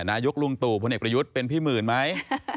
นายกลุงตู่พลเอกประยุทธ์เป็นพี่หมื่นไหม